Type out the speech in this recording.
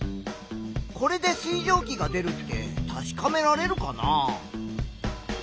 これで水蒸気が出るって確かめられるかな？